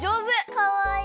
かわいい。